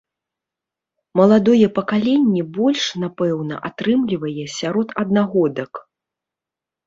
Маладое пакаленне больш, напэўна, атрымлівае сярод аднагодак.